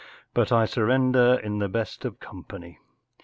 “ But I surrender in the best of company.